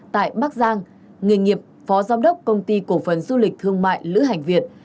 tại bắc giang người nghiệp phó giám đốc công ty cổ phấn du lịch thương mại lữ hành việt